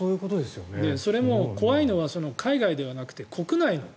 それも怖いのは海外ではなくて国内の。